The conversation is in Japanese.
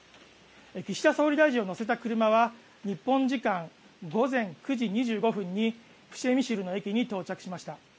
岸田総理大臣を乗せた車は日本時間、午前９時２５分にプシェミシルの駅に到着しました。